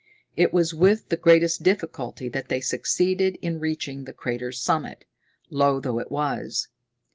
It was with the greatest difficulty that they succeeded in reaching the crater's summit, low though it was.